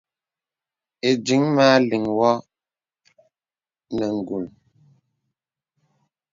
Ìdìŋ mə aliŋ wɔ nə ǹgùl.